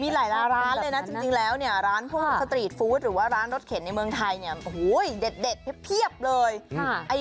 มีหลายร้านเลยนะจริงแล้วร้านสตรีทฟู้ดหรือว่าร้านรัดเข็นนี่เมืองไทยเนี่ยเด็ดเทียบเลย